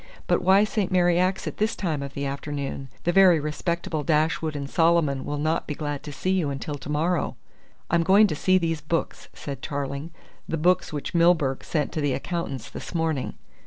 "But why St. Mary Axe at this time of the afternoon? The very respectable Dashwood and Solomon will not be glad to see you until to morrow." "I'm going to see these books," said Tarling, "the books which Milburgh sent to the accountants this morning."